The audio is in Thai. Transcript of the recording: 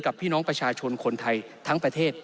พี่น้องประชาชนคนไทยทั้งประเทศ